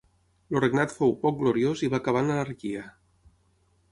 El regnat fou poc gloriós i va acabar en l'anarquia.